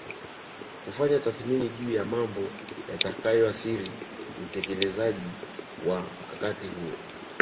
Kufanya tathmini juu ya mambo yatakayoathiri utekelezaji wa mkakati huo